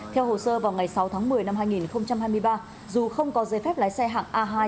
theo hồ sơ vào ngày sáu tháng một mươi năm hai nghìn hai mươi ba dù không có giấy phép lái xe hạng a hai